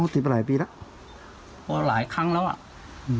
ติดมาหลายปีแล้วเพราะหลายครั้งแล้วอ่ะอืม